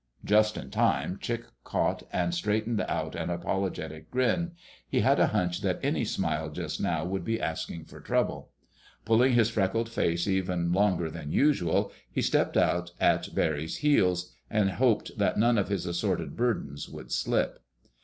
Just in time Chick caught and straightened out an apologetic grin. He had a hunch that any smile just now would be asking for trouble. Pulling his freckled face even longer than usual, he stepped out at Barry's heels, and hoped that none of his assorted burdens would slip.